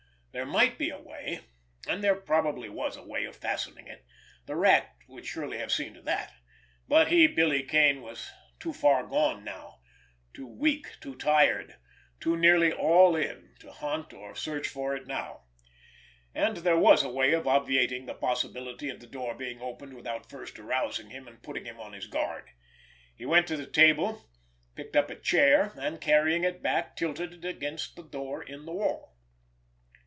There might be a way, and there probably was a way of fastening it, the Rat would surely have seen to that, but he, Billy Kane, was too far gone, too weak, too tired, too nearly all in to hunt or search for it now—and there was a way of obviating the possibility of the door being opened without first arousing him and putting him on his guard. He went to the table, picked up a chair, and, carrying it back, tilted it against the door in the wall.